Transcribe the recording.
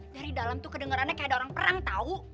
dari dalam tuh kedengerannya kayak ada orang perang tahu